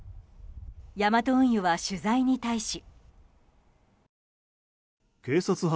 ヤマト運輸は取材に対し。